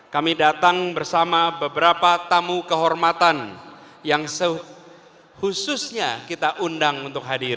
kami datang bersama beberapa tamu kehormatan yang sehususnya kita undang untuk hadir